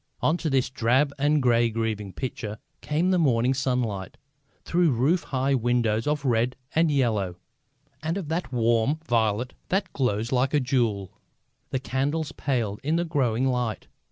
Onto this drab and grey and grieving picture came the morning sunlight, through roof high windows of red and yellow and of that warm violet that glows like a jewel. The candles paled in the growing light.